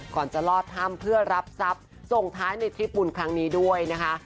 ก่อนจะลอดถ้ำเพื่อรับทรัพย์ส่งท้ายในทริปบุญครั้งนี้ด้วยนะคะ